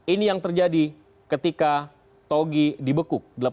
ini yang terjadi ketika togi dibekuk